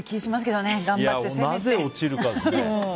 なぜ落ちるかって。